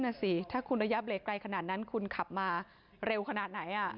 น่ะสิถ้าคุณระยะเบรกไกลขนาดนั้นคุณขับมาเร็วขนาดไหน